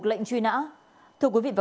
xong tức quá